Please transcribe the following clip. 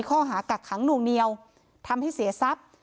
กักขังหน่วงเหนียวทำให้เสียทรัพย์